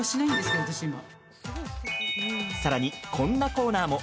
さらに、こんなコーナーも。